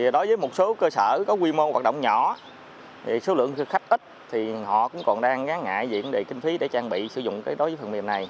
đối với một số cơ sở có quy mô hoạt động nhỏ số lượng thực khách ít thì họ cũng còn đang ngã ngại diện đề kinh phí để trang bị sử dụng đối với phần mềm này